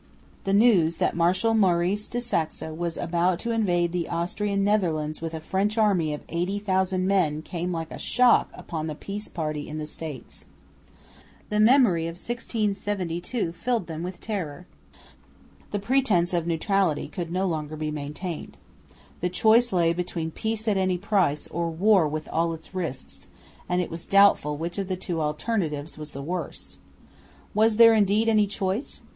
The news that Marshal Maurice de Saxe was about to invade the Austrian Netherlands with a French army of 80,000 men came like a shock upon the peace party in the States. The memory of 1672 filled them with terror. The pretence of neutrality could no longer be maintained. The choice lay between peace at any price or war with all its risks; and it was doubtful which of the two alternatives was the worse. Was there indeed any choice?